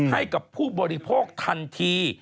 ให้กับผู้บริโภคทันที